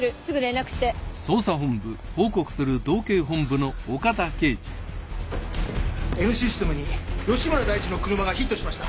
Ｎシステムに芳村大地の車がヒットしました。